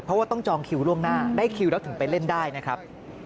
เพราะว่าต้องจองคิวล่วงหน้าได้คิวแล้วถึงไปเล่นได้นะครับ